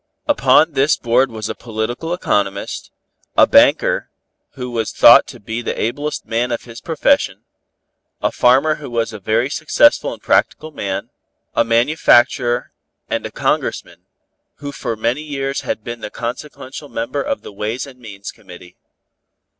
Upon this board was a political economist, a banker, who was thought to be the ablest man of his profession, a farmer who was a very successful and practical man, a manufacturer and a Congressman, who for many years had been the consequential member of the Ways and Means Committee.